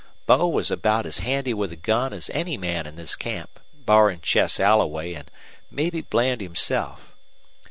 Bo was about as handy with a gun as any man in this camp, barrin' Chess Alloway an' mebbe Bland himself.